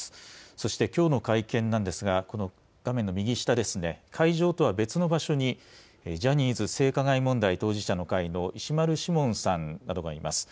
そして、きょうの会見なんですが、この画面の右下ですね、会場とは別の場所に、ジャニーズ性加害問題当事者の会の、石丸志門さんなどがいます。